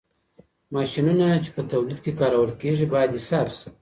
ماشينونه چي په توليد کي کارول کېږي، بايد حساب سي.